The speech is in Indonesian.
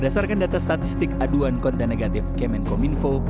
statistik aduan konten negatif kemenkom info